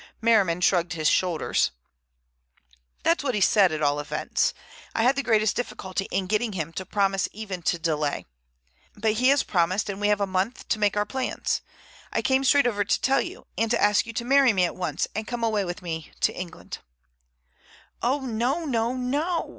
Merriman shrugged his shoulders. "That's what he said at all events. I had the greatest difficulty in getting him to promise even to delay. But he has promised, and we have a month to make our plans. I came straight over to tell you, and to ask you to marry me at once and come away with me to England." "Oh, no, no, no!"